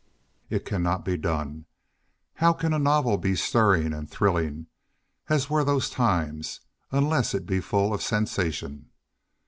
It cannot be done. How can a novel be stirring and thrilling, as were those times, unless it be full of sensation?